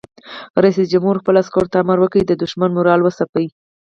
رئیس جمهور خپلو عسکرو ته امر وکړ؛ د دښمن مورال وځپئ!